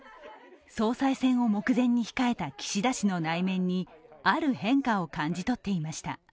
総裁選を目前に控えた岸田氏の内面にある変化を感じ取っていました。